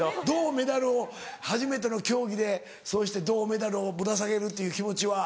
メダルを初めての競技でそうして銅メダルをぶら下げるっていう気持ちは。